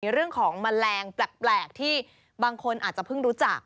เรื่องของแมลงแปลกที่บางคนอาจจะเพิ่งรู้จัก